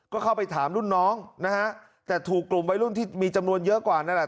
ก็เข้าไปถามรุ่นน้องนะฮะแต่ถูกกลุ่มวัยรุ่นที่มีจำนวนเยอะกว่านั่นแหละ